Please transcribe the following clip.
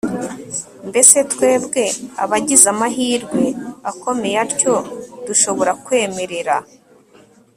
mbese twebwe abagize amahirwe akomeye atyo dushobora kwemerera